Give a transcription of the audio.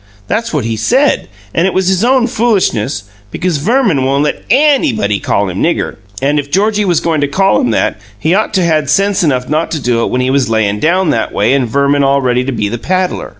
That's what he said, and it was his own foolishness, because Verman won't let ANYBODY call him 'nigger', and if Georgie was goin' to call him that he ought to had sense enough not to do it when he was layin' down that way and Verman all ready to be the paddler.